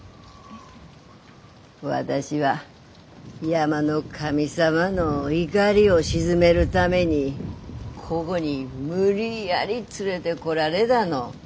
私は山の神様の怒りを鎮めるためにこごに無理やり連れでこられだの。